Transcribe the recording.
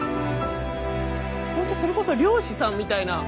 本当それこそ漁師さんみたいな。